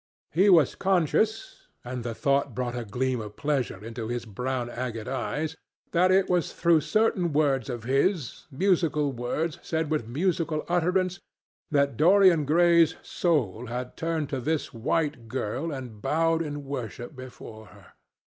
He was conscious—and the thought brought a gleam of pleasure into his brown agate eyes—that it was through certain words of his, musical words said with musical utterance, that Dorian Gray's soul had turned to this white girl and bowed in worship before her.